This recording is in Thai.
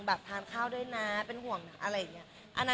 ทานข้าวด้วยนะเป็นห่วงนะอะไรอย่างนี้